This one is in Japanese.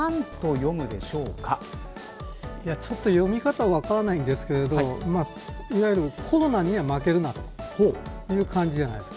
読み方がちょっと分からないんですがいわゆる、コロナには負けるなという感じじゃないですか。